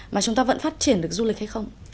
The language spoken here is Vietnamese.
mà chúng ta vẫn phát triển được du lịch hay không